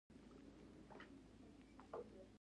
زه او سور ناصر دواړه تش لاس وو.